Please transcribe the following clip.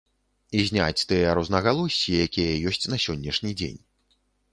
І зняць тыя рознагалоссі, якія ёсць на сённяшні дзень.